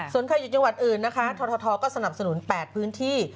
ส่วนใครอยู่จังหวัดอื่นนะคะททก็สนับสนุน๘พื้นที่